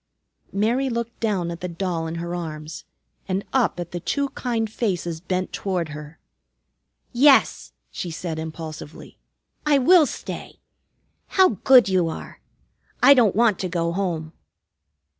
Mary looked down at the doll in her arms, and up at the two kind faces bent toward her. "Yes," she said impulsively, "I will stay. How good you are! I don't want to go home."